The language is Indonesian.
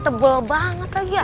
tebel banget lagi ya